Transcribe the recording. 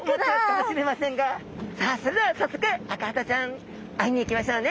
さあそれではさっそくアカハタちゃん会いに行きましょうね。